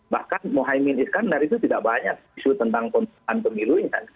bahkan mohaimin iskandar itu tidak banyak isu tentang penundaan pemilunya